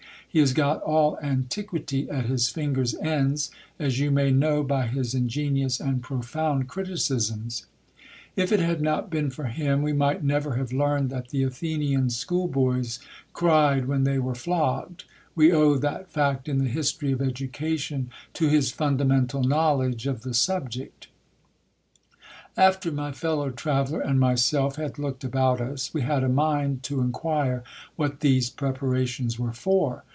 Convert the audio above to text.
He has got all antiquity at his fingers' ends, as you may know by his ingenious and profound criticisms. If it had not been for him, we might never have learned that the Athenian school boys cried when they were flogged ; we owe that fact in the history of educa tion to his fundamental knowledge of the subject After my fellow traveller and myself had looked about us, we had a mind to inquire what these preparations were for.